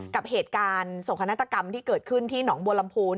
กับเหตุการณ์โศกนาฏกรรมที่เกิดขึ้นที่หนองบัวลำพูน